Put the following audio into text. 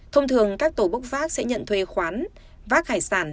thông thường các tổ bốc phát sẽ nhận thuê khoán vác hải sản